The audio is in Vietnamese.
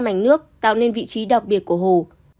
mảnh nước tạo nên vị trí đặc biệt của hồ